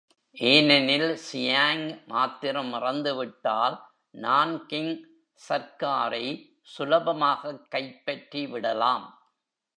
ஏனெனில் சியாங் மாத்திரம் இறந்து விட்டால் நான்கிங் சர்க்காரை சுலபமாகக் கைப்பற்றி விடலாம்.